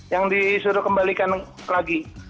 yang disuruh kembalikan lagi